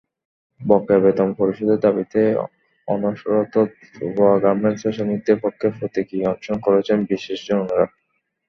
বকেয়া বেতন পরিশোধের দাবিতে অনশনরত তোবা গার্মেন্টসের শ্রমিকদের পক্ষে প্রতীকী অনশন করেছেন বিশিষ্টজনেরা।